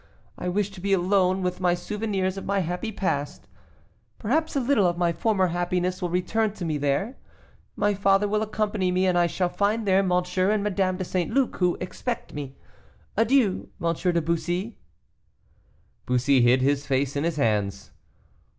I wish to be alone with my souvenirs of my happy past; perhaps a little of my former happiness will return to me there. My father will accompany me, and I shall find there M. and Madame de St. Luc, who expect me. Adieu, M. de Bussy." Bussy hid his face in his hands.